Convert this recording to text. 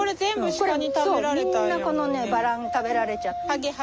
そうみんなこのバラン食べられちゃって。